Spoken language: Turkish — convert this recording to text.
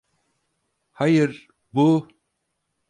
Hayır, bu...